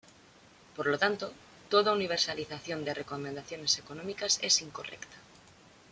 Por lo tanto, toda universalización de recomendaciones económicas es incorrecta.